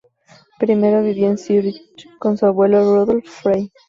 Primero vivió en Zurich con su abuelo Rudolf Frey.